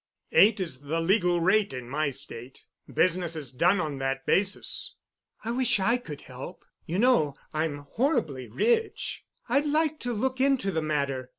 Eight is the legal rate in my state. Business is done on that basis." "I wish I could help. You know I'm horribly rich. I'd like to look into the matter.